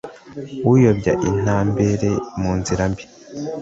Uyobya intabera mu nzira mbi